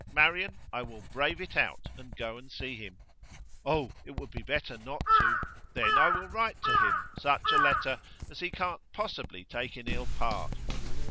Marian, I will brave it out and go and see him.' 'Oh, it would be better not to.' 'Then I will write to him such a letter as he can't possibly take in ill part.